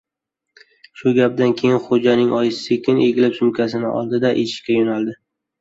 Shu gapdan keyin Xo‘janing oyisi sekin egilib, sumkasini oldi- da, eshikka yo‘naldi.